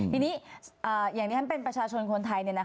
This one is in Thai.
ทีนี้อย่างที่ฉันเป็นประชาชนคนไทย